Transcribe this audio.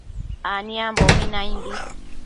aniambobi naimbi